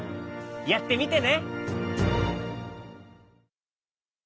やってみてね。